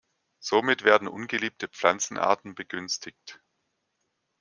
Somit werden ungeliebte Pflanzenarten begünstigt.